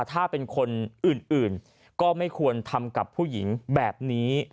ถ้าเป็นคนอื่นก็ไม่ควรทำกับผู้หญิงแบบนี้